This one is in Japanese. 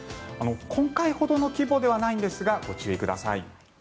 今回ほどの規模ではないんですがご注意ください。